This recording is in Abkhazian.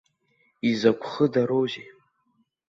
Изакә хыдароузеи!